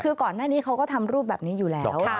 คือก่อนหน้านี้เขาก็ทำรูปแบบนี้อยู่แล้ว